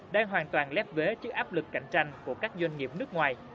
đang hoàn toàn lép vế trước áp lực cạnh tranh của các doanh nghiệp nước ngoài